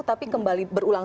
tapi kembali berulang